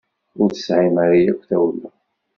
Ur tesɛimt ara akk tawla.